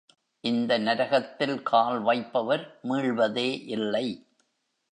இந்த நரகத்தில் கால் வைப்பவர் மீள்வதே இல்லை.